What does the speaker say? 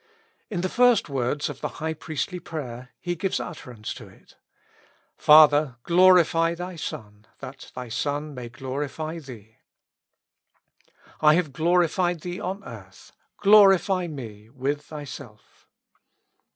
In the first words of the high priestly prayer He gives utterance to it :" Father, glorify Thy Son, that Thy Son may glorify Thee.^' "■ I have glorified Thee on earth; glorify me with Thyself."